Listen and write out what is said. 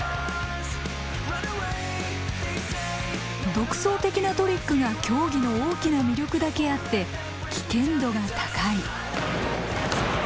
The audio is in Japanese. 独創的なトリックが競技の大きな魅力だけあって危険度が高い。